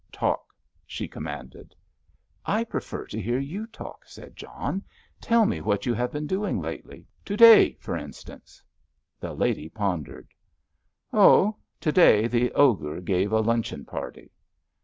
"Talk," she commanded. "I prefer to hear you talk," said John. "Tell me what you have been doing lately—to day, for instance." The lady pondered. "Oh, to day the Ogre gave a luncheon party."